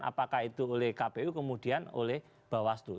apakah itu oleh kpu kemudian oleh bawaslu